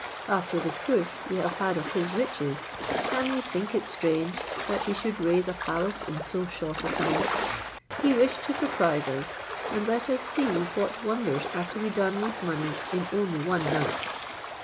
After the proof we have had of his riches, can we think it strange, that he should raise a palace in so short a time? He wished to surprise us, and let us see what wonders are to be done with money in only one night.